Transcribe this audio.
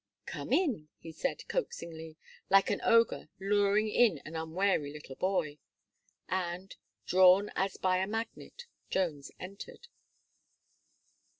"Come in," he said, coaxingly, like an ogre luring in an unwary little boy. And, drawn as by a magnet, Jones entered.